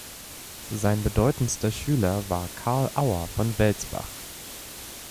Sein bedeutendster Schüler war Carl Auer von Welsbach.